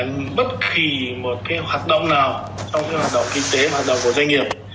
thì nó đều có một lúc là bất kỳ một cái hoạt động nào trong các hoạt động kinh tế hoạt động của doanh nghiệp